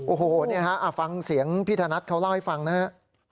โอ้โหนี่ฮะฟังเสียงพี่ธนัทเขาเล่าให้ฟังนะฮะ